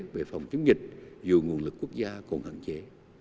về phòng chống dịch dù nguồn lực quốc gia còn hạn chế